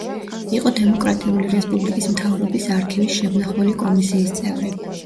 იყო დემოკრატიული რესპუბლიკის მთავრობის არქივის შემნახველი კომისიის წევრი.